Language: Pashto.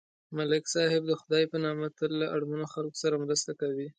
ملک صاحب د خدای په نامه تل له اړمنو خلکو سره مرسته کوي.